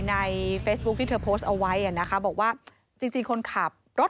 ในเฟซบุ๊คที่เธอโพสต์เอาไว้อ่ะนะคะบอกว่าจริงคนขับรถ